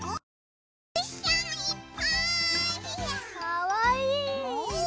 かわいい。